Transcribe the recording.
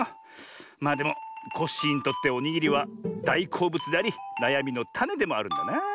まあでもコッシーにとっておにぎりはだいこうぶつでありなやみのタネでもあるんだなあ。